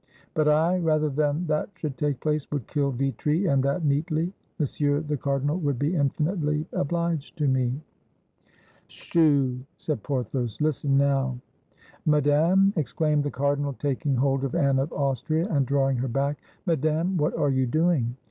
"But I, rather than that should take place, would kill Vitry, and that neatly! Monsieur the Cardinal would be infinitely obliged to me." 264 IN THE DAYS OF THE FRONDE ''Chut!" said Porthos; "listen now." "Madame!" exclaimed the cardinal, taking hold of Anne of Austria and drawing her back, — "Madame, what are you doing?"